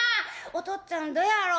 おとっつぁんどやろ